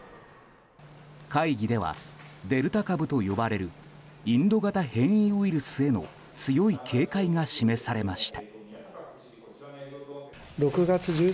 会議では、デルタ株と呼ばれるインド型変異ウイルスへの強い警戒が示されました。